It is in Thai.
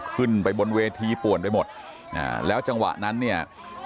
ขึ้นไปบนเวทีป่วนไปหมดอ่าแล้วจังหวะนั้นเนี่ย